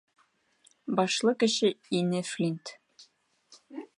Башлы кеше ине Флинт!